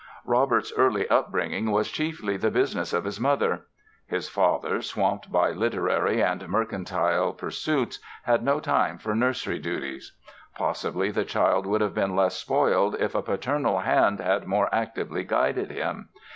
Robert's early upbringing was chiefly the business of his mother. His father, swamped by literary and mercantile pursuits, had no time for nursery duties. Possibly the child would have been less spoiled if a paternal hand had more actively guided him.